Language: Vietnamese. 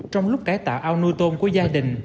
trong lúc cải tạo ao nuôi tôm của gia đình